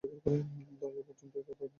দরজা পর্যন্ত গিয়া একবার দাঁড়াইল।